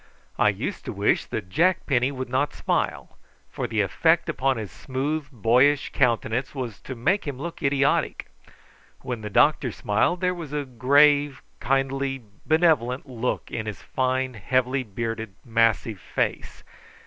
I used to wish that Jack Penny would not smile, for the effect upon his smooth boyish countenance was to make him look idiotic. When the doctor smiled there was a grave kindly benevolent look in his fine heavily bearded massive face.